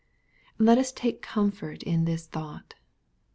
Let us take comfort in this thought.